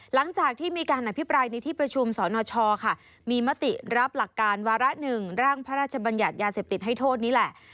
หลังจากที่มีการอภิปรายในที่ประชุมสนชค่ะมีมติรับหลักการวาระ๑ร่างพระราชบัญญัติยาเสพติดให้โทษนี้แหละ